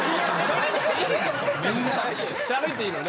しゃべっていいのね。